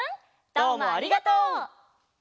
どうもありがとう。